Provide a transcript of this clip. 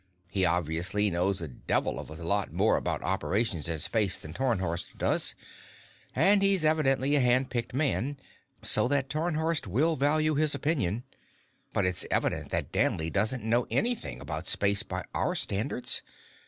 He obviously knows a devil of a lot more about operations in space than Tarnhorst does, and he's evidently a hand picked man, so that Tarnhorst will value his opinion. But it's evident that Danley doesn't know anything about space by our standards.